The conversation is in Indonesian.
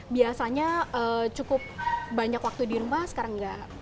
biasanya cukup banyak waktu di rumah sekarang enggak